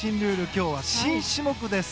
今日は新種目です。